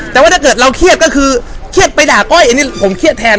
แต่ว่าถ้าเกิดเราเครียดก็คือเครียดไปด่าก้อยอันนี้ผมเครียดแทน